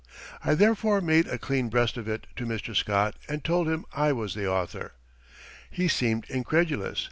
I therefore made a clean breast of it to Mr. Scott and told him I was the author. He seemed incredulous.